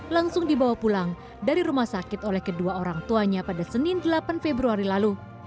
langsung dibawa pulang dari rumah sakit oleh kedua orang tuanya pada senin delapan februari lalu